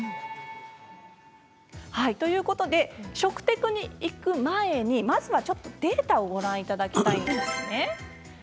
ということで食テクにいく前にまずはデータをご覧いただきたいんですね。